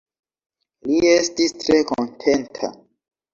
Li estis tre kontenta.